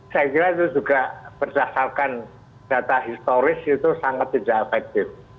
saya kira itu juga berdasarkan data historis itu sangat tidak efektif